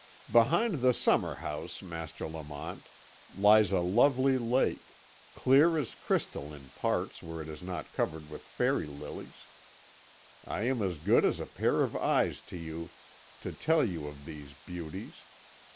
"Behind the summer house, Master Lamont, lies a lovely lake, clear as crystal in parts where it is not covered with fairy lilies. I am as good as a pair of eyes to you to tell you of these beauties.